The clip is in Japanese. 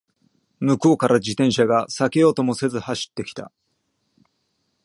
向こうから自転車が避けようともせず走ってきた